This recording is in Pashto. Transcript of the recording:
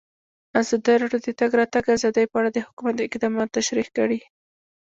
ازادي راډیو د د تګ راتګ ازادي په اړه د حکومت اقدامات تشریح کړي.